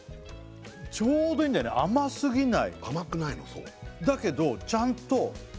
ちょうどいいんだよね甘すぎない